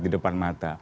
di depan mata